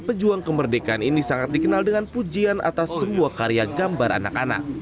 pejuang kemerdekaan ini sangat dikenal dengan pujian atas semua karya gambar anak anak